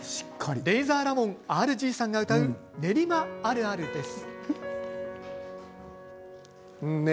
レイザーラモン ＲＧ さんが歌う「練馬あるある」です。